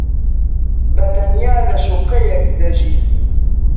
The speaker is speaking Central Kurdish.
بەتەنیا لە شوقەیەک دەژی.